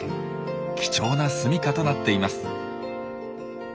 貴重なすみかとなっています。